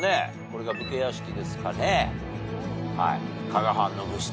これが武家屋敷ですかね。